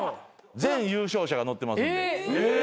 全優勝者が載ってますんで。